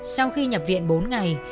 sau khi nhập viện bốn ngày